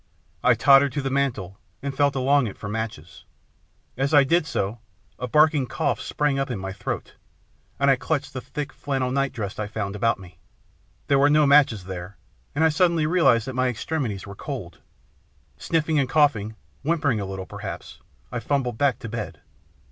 I tottered to the mantel, and felt along it for matches. As I did so, a barking cough sprang up in my throat, and I clutched the thick flannel nightdress I found about me. There were no matches there, and I suddenly realised that my extremities were cold. Sniffing and coughing, whimpering a little, perhaps, I fumbled back to bed.